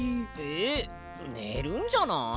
えねるんじゃない？